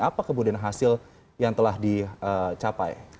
apa kemudian hasil yang telah dicapai